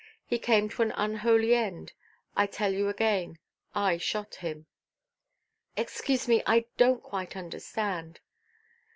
He came to an unholy end. I tell you again—I shot him." "Excuse me; I donʼt quite understand.